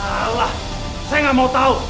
salah saya nggak mau tahu